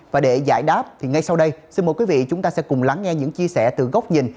và để giải đáp thì ngay sau đây xin mời quý vị chúng ta sẽ cùng lắng nghe những chia sẻ từ góc nhìn